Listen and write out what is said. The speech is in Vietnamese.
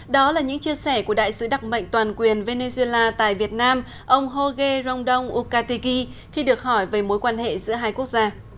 đó là những chia sẻ của đại sứ đặc mệnh toàn quyền venezuela tại việt nam ông jorge rondon ucategi khi được hỏi về mối quan hệ giữa hai quốc gia